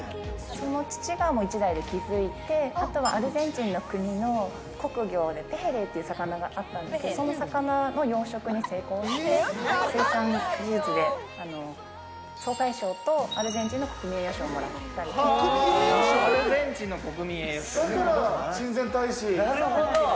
父が一代で築いて、本当はアルゼンチンの国の国魚、ペヘレイっていう魚があったんですけど、その魚の養殖に成功して、水産技術で総裁賞とアルゼンチンの国民栄誉賞をもらっだから親善大使！